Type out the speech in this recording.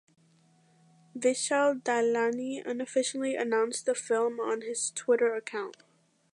Vishal Dadlani unofficially announced the film on his twitter account.